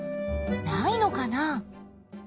ないのかな？